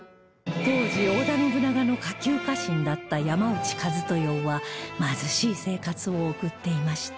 当時織田信長の下級家臣だった山内一豊は貧しい生活を送っていました